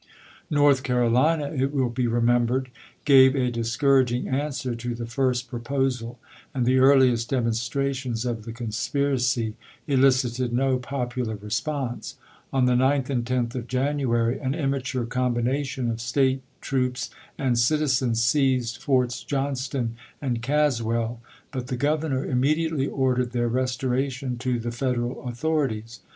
North Carolina, it will be remembered, gave a discouraging answer to the first proposal, and the earliest demonstrations of the conspiracy elicited no 1861. popular response. On the 9th and 10th of January an immature combination of State troops and citi zens seized Forts Johnston and Caswell, but the w. R. Vol. Grovernor immediately ordered their restoration to ^176^484.*" the Federal authorities.